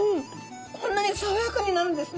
こんなにさわやかになるんですね。